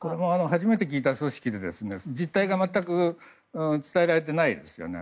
初めて聞いた組織で実態が、全く伝えられていないんですよね。